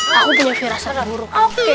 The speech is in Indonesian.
aku punya firasat buruk